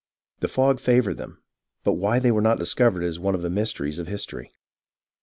The fog favoured them, but why they were not discovered is one of the mysteries of history.